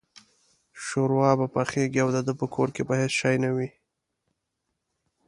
شوروا به پخېږي او دده په کور کې به هېڅ شی نه وي.